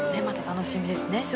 また楽しみですね